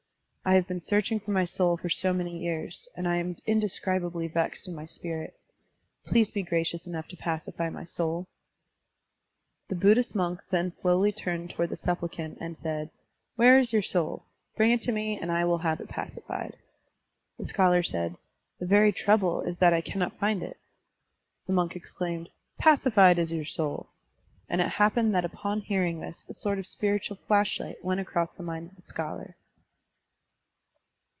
I have been search ing for my soul for so many years, and I am indescribably vexed in my spirit. Please be gracious enough to pacify my soul." The Bud dhist monk then slowly turned toward the supplicant and said, '* Where is your soul? Bring it to me, and I will have it pacified.*' The scholar said, "The very trouble is that I cannot find it." The monk exclaimed, "Pacified is your soul!" and it happened that upon hearing this a sort of spiritual flashlight went across the mind of the scholar.